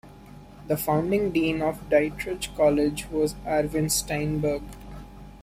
The founding Dean of the Dietrich College was Erwin Steinberg.